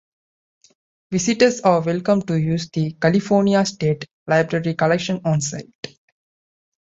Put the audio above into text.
Visitors are welcome to use the California State Library collections on site.